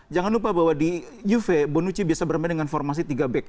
jangan lupa bahwa di juve bonucci bisa bermain dengan formasi tiga back